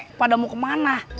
kepada mau kemana